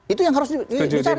itu yang harus dicari